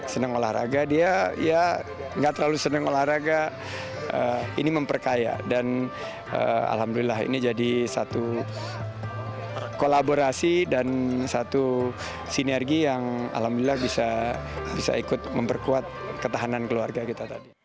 senang olahraga dia ya nggak terlalu senang olahraga ini memperkaya dan alhamdulillah ini jadi satu kolaborasi dan satu sinergi yang alhamdulillah bisa ikut memperkuat ketahanan keluarga kita tadi